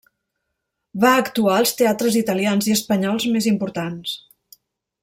Va actuar als teatres italians i espanyols més importants.